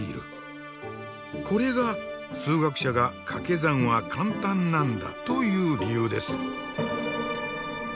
これが数学者がかけ算は簡単なんだという理由です。